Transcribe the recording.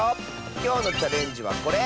きょうのチャレンジはこれ！